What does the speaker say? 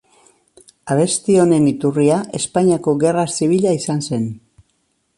Abesti honen iturria Espainiako Gerra Zibila izan zen.